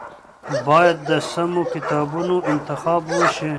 باید د سمو کتابونو انتخاب وشي.